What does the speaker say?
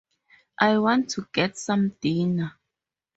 I want to get some dinner.